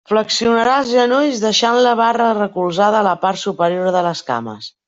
Flexionarà els genolls deixant la barra recolzada a la part superior de les cames.